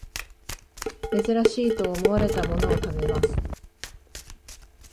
珍しいと思われたものを食べます